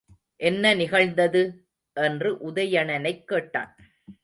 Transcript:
என்ன நிகழ்ந்தது? என்று உதயணனைக் கேட்டான்.